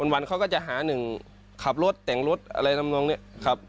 วันเขาก็จะหาหนึ่งขับรถแต่งรถอะไรทำนองเนี่ยครับ